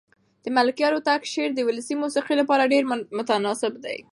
د ملکیار هوتک شعر د ولسي موسیقۍ لپاره ډېر مناسب دی.